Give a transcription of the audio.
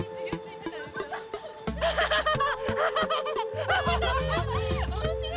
ハハハハ。